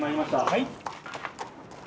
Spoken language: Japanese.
はい。